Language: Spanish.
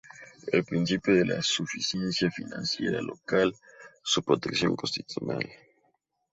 El Principio de Suficiencia Financiera Local: su protección constitucional.